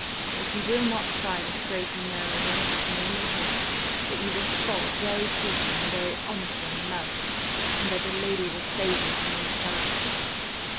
"If you will not try the straight and narrow way, I can only hope that you will fall very deeply and very honestly in love; and that the lady will save you from yourself."